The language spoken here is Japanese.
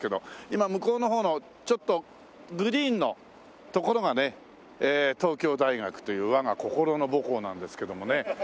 今向こうの方のちょっとグリーンの所がね東京大学というわが心の母校なんですけどもね。